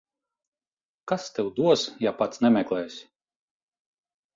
Kas tev dos, ja pats nemeklēsi.